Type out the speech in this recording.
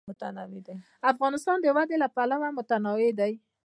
افغانستان د وادي له پلوه متنوع دی.